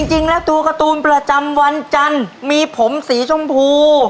จริงแล้วตัวการ์ตูนประจำวันจันทร์มีผมสีชมพู